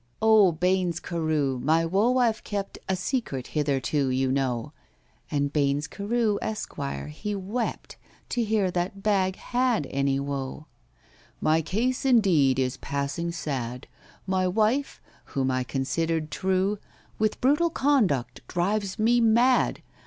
"Oh, BAINES CAREW, my woe I've kept A secret hitherto, you know;"— (And BAINES CAREW, ESQUIRE, he wept To hear that BAGG had any woe.) "My case, indeed, is passing sad. My wife—whom I considered true— With brutal conduct drives me mad."